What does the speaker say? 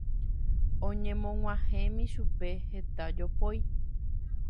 oñemog̃uahẽmi chupe heta jopói